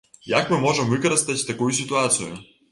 Як мы можам выкарыстаць такую сітуацыю?